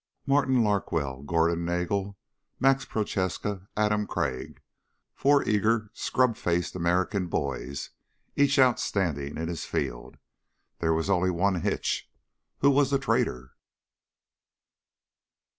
Martin Larkwell, Gordon Nagel, Max Prochaska, Adam Crag four eager scrub faced American boys, each outstanding in his field. There was only one hitch. Who was the traitor?